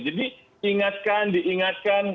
jadi ingatkan diingatkan